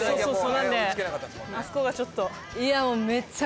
なのであそこがちょっと。